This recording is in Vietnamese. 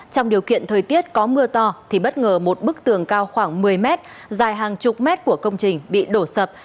trong điều kiện thời tiết có mưa to thì bất ngờ một bức tường cao khoảng một mươi mét dài hàng chục mét của công trình bị đổ sập